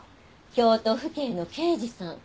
京都府警の刑事さん。